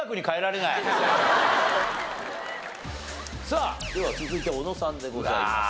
さあでは続いて小野さんでございますが。